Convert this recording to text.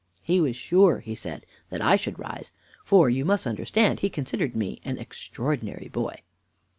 He was sure, he said, that I should rise, for, you must understand, he considered me an extraordinary boy."